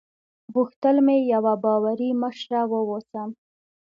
غوښتل مې یوه باوري مشره واوسم.